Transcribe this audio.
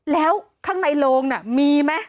แล้วข้างในโรงน่ะมีไหม